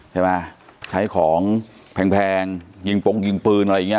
ใช่ไหมใช้ของแพงยิงปงยิงปืนอะไรอย่างเงี้